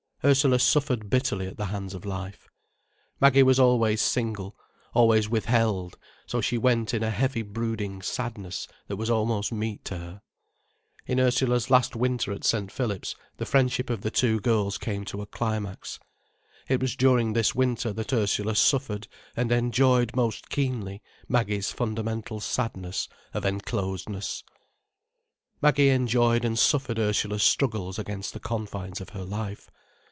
Ursula suffered bitterly at the hands of life, Maggie was always single, always withheld, so she went in a heavy brooding sadness that was almost meat to her. In Ursula's last winter at St. Philip's the friendship of the two girls came to a climax. It was during this winter that Ursula suffered and enjoyed most keenly Maggie's fundamental sadness of enclosedness. Maggie enjoyed and suffered Ursula's struggles against the confines of her life.